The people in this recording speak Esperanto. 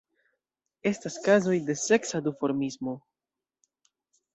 Estas kazoj de seksa duformismo.